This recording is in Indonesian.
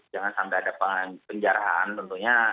jangan sampai ada penjarahan tentunya